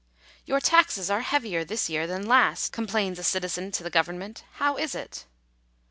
"Your taxes are heavier this year than last/' complains a citizen to the government ;" how is it